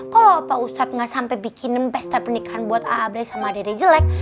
kalo opa ustad gak sampai bikin pesta pernikahan buat abrahi sama dede jelek